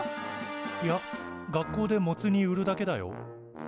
いや学校でモツ煮売るだけだよ。